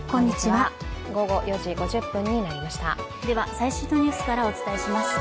最新のニュースからお伝えします。